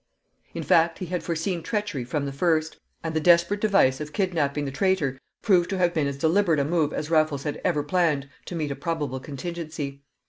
In fact, he had foreseen treachery from the first, and the desperate device of kidnapping the traitor proved to have been as deliberate a move as Raffles had ever planned to meet a probable contingency.